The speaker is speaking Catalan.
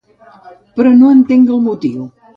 Però no entenc el motiu.